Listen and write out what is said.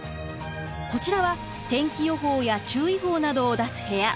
こちらは天気予報や注意報などを出す部屋。